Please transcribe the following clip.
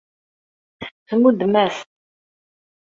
Tmuddem-as-t.